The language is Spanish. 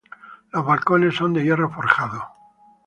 Los balcones son de hierro forjado.